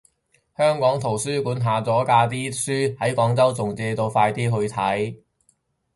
香港圖書館下咗架啲書喺廣州仲借到啊，快啲去睇